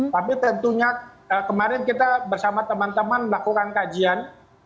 tapi tentunya kemarin kita bersama teman teman melakukan kajian